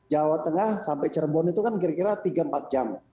jawa tengah sampai cirebon itu kan kira kira tiga empat jam